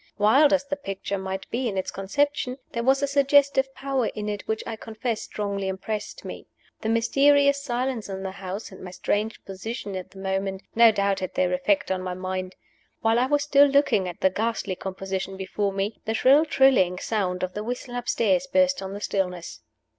Wild as the picture might be in its conception, there was a suggestive power in it which I confess strongly impressed me. The mysterious silence in the house, and my strange position at the moment, no doubt had their effect on my mind. While I was still looking at the ghastly composition before me, the shrill trilling sound of the whistle upstairs burst on the stillness.